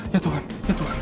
ya tuhan ya tuhan